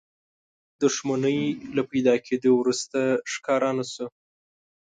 دښمنۍ له پيدا کېدو وروسته ښکار نه شو.